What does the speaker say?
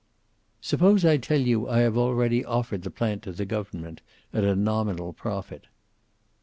"Suppose I tell you I have already offered the plant to the government, at a nominal profit."